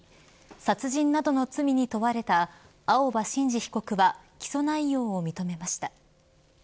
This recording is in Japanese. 殺人などの罪に問われた青葉真司被告は起訴内容を認めました。